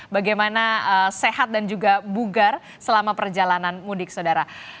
bagaimana sehat dan juga bugar selama perjalanan mudik saudara